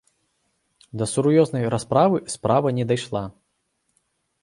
Да сур'ёзнай расправы справа не дайшла.